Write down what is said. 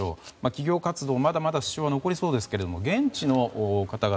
企業活動、まだまだ支障は残りそうですけれども現地の方々